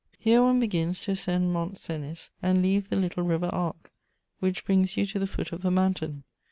Here one begins to ascend Mont Cenis and leave the little River Arc, which brings you to the foot of the mountain.